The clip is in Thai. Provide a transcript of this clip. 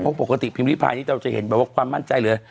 เพราะปกติพิมพ์ริพายนี่เราจะเห็นแบบว่าความมั่นใจเลย